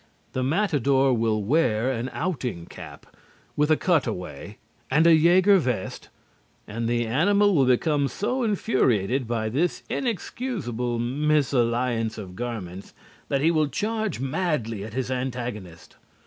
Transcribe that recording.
The matador will wear an outing cap with a cutaway and Jaeger vest, and the animal will become so infuriated by this inexcusable mésalliance of garments that he will charge madly at his antagonist.